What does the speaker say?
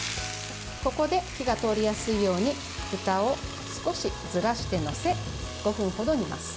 ここで火が通りやすいようにふたを少しずらして載せ５分ほど煮ます。